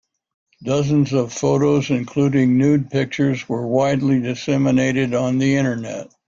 Dozens of photos, including nude pictures, were widely disseminated on the Internet.